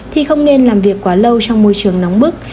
thì không nên làm việc quá lâu trong môi trường nóng bức